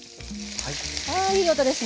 あいい音ですね。